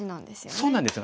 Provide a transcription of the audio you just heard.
そうなんですよね。